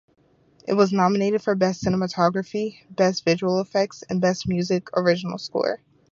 It was nominated for Best Cinematography, Best Visual Effects and Best Music, Original Score.